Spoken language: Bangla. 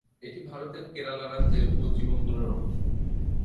এটি ভারতের কেরালা রাজ্যের কোচি বন্দরের অংশ।